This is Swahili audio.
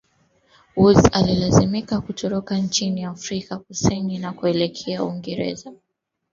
Woods alilazimika kutoroka nchini Afrika Kusini na kuelekea Uingereza